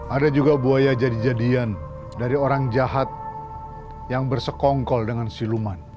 ada juga buaya jadi jadian dari orang jahat yang bersekongkol dengan siluman